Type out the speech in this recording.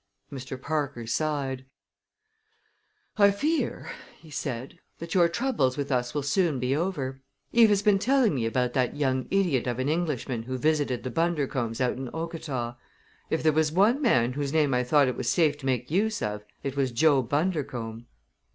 Mr. Parker sighed. "I fear," he said, "that your troubles with us will soon be over. Eve has been telling me about that young idiot of an Englishman who visited the Bundercombes out in Okata. If there was one man whose name I thought I was safe to make use of it was Joe Bundercombe!"